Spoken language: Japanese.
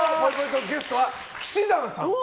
トークゲストは氣志團さん